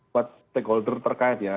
buat stakeholder terkait ya